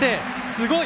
すごい！